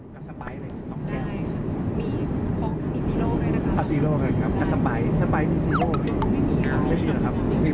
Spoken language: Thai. กับสปไรซ์เลย๒แค่